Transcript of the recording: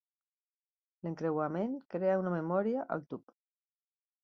L"entrecreuament crea una memòria al tub.